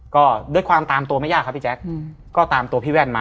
ก็ด้วยความตามตัวไม่ยากครับพี่แจ๊คก็ตามตัวพี่แว่นมา